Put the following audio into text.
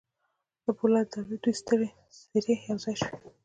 د پولادو د تولید دوې سترې څېرې یو ځای شوې